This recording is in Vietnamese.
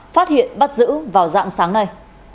phát hiện bắt giữ vào dạng sáng nay